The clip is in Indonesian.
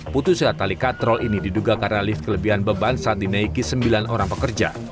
putusnya tali katrol ini diduga karena lift kelebihan beban saat dinaiki sembilan orang pekerja